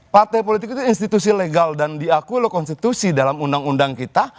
partai politik itu institusi legal dan diakui oleh konstitusi dalam undang undang kita